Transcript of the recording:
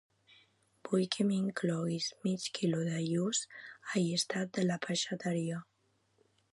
Vull que m'incloguis mig quilo de lluç a llistat de la peixateria.